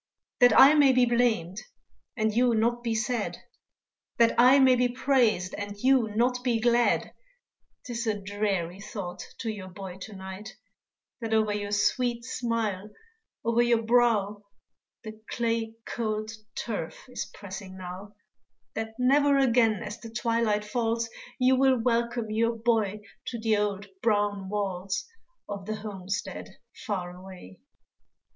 That I may be blamed, and you not be sad, That I may be praised, and you not be glad; 'Tis a dreary thought to your boy to night, That over your sweet smile, over your brow, The clay cold turf is pressing now, That never again as the twilight falls You will welcome your boy to the old brown walls Of the homestead far away.